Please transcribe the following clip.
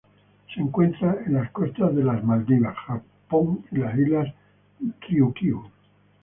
Se encuentra en las costas de las Maldivas, Japón y las islas Ryukyu.